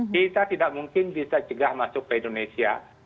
kita tidak mungkin bisa cegah masuk ke indonesia